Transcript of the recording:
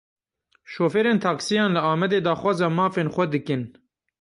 Şofêrên taksiyan li Amedê daxwaza mafên xwe dikin.